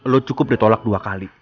lo cukup ditolak dua kali